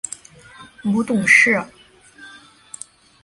母董氏。